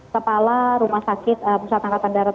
kepala rumah sakit pusat angkatan darat